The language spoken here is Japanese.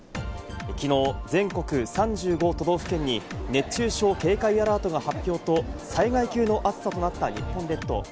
きのう全国３５都道府県に熱中症警戒アラートが発表と災害級の暑さとなった日本列島。